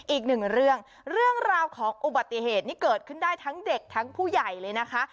อีกหนึ่งเรื่องเรื่องราวของอุบัติเหตุนี้เกิดขึ้นได้ทั้งเด็กทั้งผู้ใหญ่เลยนะคะ